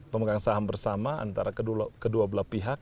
pemegang saham bersama antara kedua belah pihak